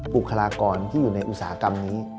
บุคลากรที่อยู่ในอุตสาหกรรมนี้